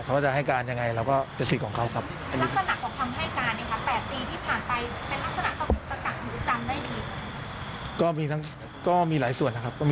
เขาว่าจะให้การยังไงเราก็ต้องผ่านเป็นศิลป์ของเขาครับ